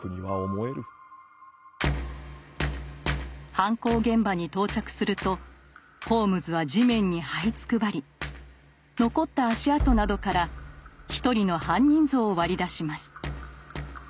犯行現場に到着するとホームズは地面にはいつくばり残った足跡などから一人の犯人像を割り出します。